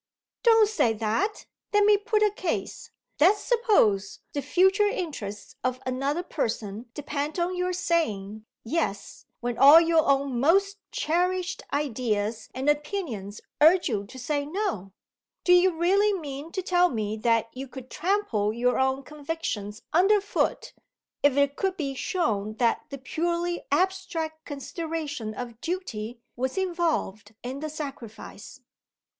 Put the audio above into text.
"Don't say that! Let me put a case. Let's suppose the future interests of another person depend on your saying, Yes when all your own most cherished ideas and opinions urge you to say, No. Do you really mean to tell me that you could trample your own convictions under foot, if it could be shown that the purely abstract consideration of duty was involved in the sacrifice?"